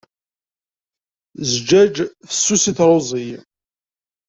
Zzǧaǧ fessus i truẓi.